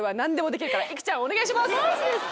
マジですか？